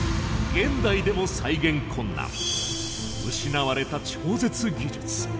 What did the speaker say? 現代でも再現困難失われた超絶技術。